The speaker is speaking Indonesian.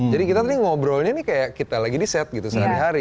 jadi kita tadi ngobrolnya nih kayak kita lagi di set gitu sehari hari